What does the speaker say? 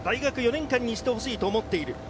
４年間にしてほしいと思っている。